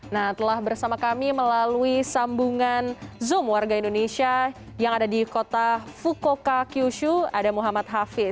nah telah bersama kami melalui sambungan zoom warga indonesia yang ada di kota fukoka kyushu ada muhammad hafiz